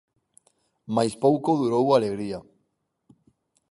Mais pouco durou a 'alegría'.